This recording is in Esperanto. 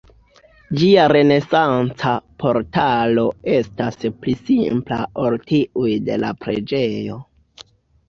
Ĝia renesanca portalo estas pli simpla ol tiuj de la preĝejo.